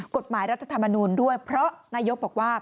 รัฐธรรมนูลด้วยเพราะนายกบอกว่า